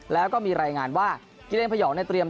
แล้วก็มีรายงานว่ากิเลนพยองเนี่ยเตรียม